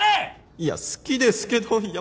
いや好きですけどいや